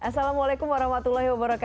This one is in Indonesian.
assalamualaikum wr wb